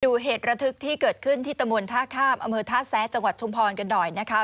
เหตุระทึกที่เกิดขึ้นที่ตะมนต์ท่าข้ามอำเภอท่าแซะจังหวัดชุมพรกันหน่อยนะคะ